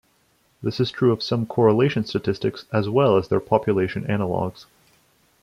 This is true of some correlation statistics as well as their population analogues.